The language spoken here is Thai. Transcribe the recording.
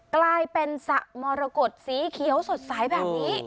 กลายเป็นสระมรกฏสีเขียวสดใสแบบนี้